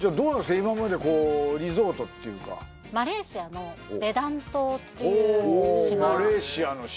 今までこうリゾートっていうかおマレーシアの島